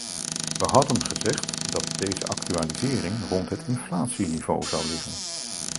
We hadden gezegd dat deze actualisering rond het inflatieniveau zou liggen.